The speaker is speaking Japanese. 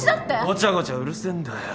ごちゃごちゃうるせえんだよ。